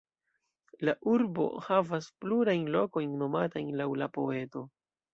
La urbo havas plurajn lokojn nomatajn laŭ la poeto.